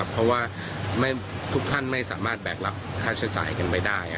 เพราะว่าทุกท่านไม่สามารถแบกรับค่าใช้จ่ายกันไปได้